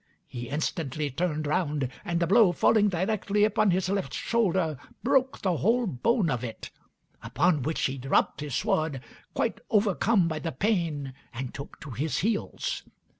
He instantly turned round, and the blow, falling directly upon his left shoulder, broke the whole bone of it; upon which he dropped his sword, quite overcome by the pain, and took to his heels.